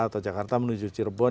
atau jakarta menuju cirebon